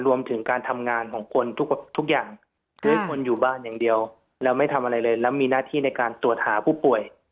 รวมถึงการทำงานของคนทุกอย่างด้วยคนอยู่บ้านอย่างเดียวแล้วไม่ทำอะไรเลยแล้วมีหน้าที่ในการตรวจหาผู้ป่วย